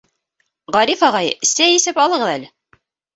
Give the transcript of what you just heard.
-Ғариф ағай, сәй эсеп алығыҙ әле.